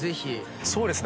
そうですね。